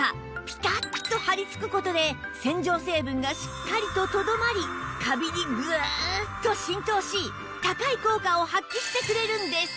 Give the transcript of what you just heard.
ピタッと張りつく事で洗浄成分がしっかりととどまりカビにグーッと浸透し高い効果を発揮してくれるんです